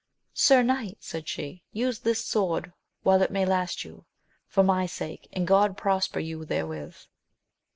Sir knight, said she, use this sword while it may last you, for my sake, and God prosper you therewith.